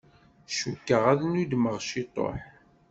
Cukkeɣ ad nudmeɣ ciṭuḥ.